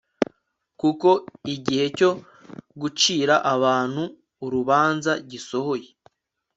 kuko igihe cyo gucira abantu urubanza gisohoye